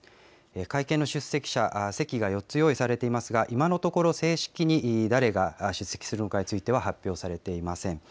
会見の出席者、席が４つ用意されていますが、今のところ、正式に誰が出席するのかについては発表されていません。